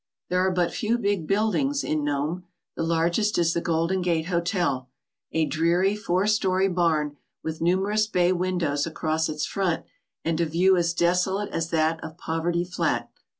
There are but few big buildings in Nome. The largest is the Golden Gate Hotel, a dreary four story barn with numerous bay windows across its front and a view as desolate as that of Poverty Flat.